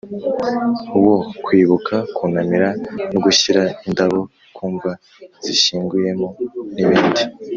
Wo kwibuka kunamira no gushyira indabo ku mva zishyinguyemo n ibindi